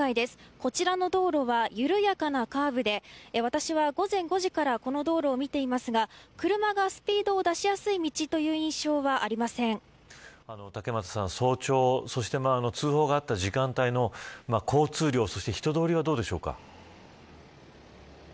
こちらの道路は緩やかなカーブで私は午前５時からこの道路を見ていますが車がスピードを出しやすい道竹俣さん、早朝そして通報があった時間帯の交通量と人通りはどうですか。